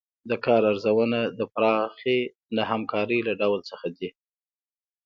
دا کارزارونه د پراخې نه همکارۍ له ډول څخه دي.